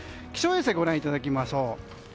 気象衛星ご覧いただきましょう。